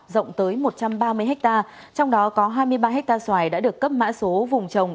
rộng tới một trăm ba mươi ha trong đó có hai mươi ba hectare xoài đã được cấp mã số vùng trồng